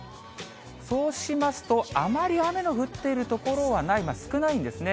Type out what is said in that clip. そうしますと、あまり雨の降っている所はない、少ないんですね。